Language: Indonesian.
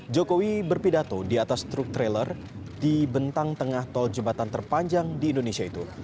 jokowi berpidato di atas truk trailer di bentang tengah tol jembatan terpanjang di indonesia itu